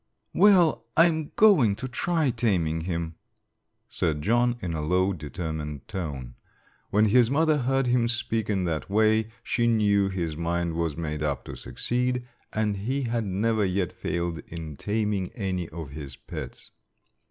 "Well, I am going to try taming him," said John, in a low, determined tone. When his mother heard him speak in that way she knew his mind was made up to succeed, and he had never yet failed in taming any of his pets.